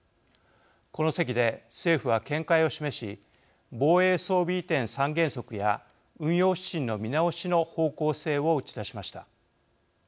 この席で政府は見解を示し防衛装備移転三原則や運用指針の見直しの方向性を打ち出しました。